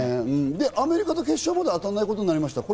アメリカとは決勝まで当たらないことになりました。